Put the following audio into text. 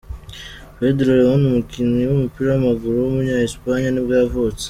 Pedro León, umukinni w’umupira w’amaguru w’umunya Espagne nibwo yavutse.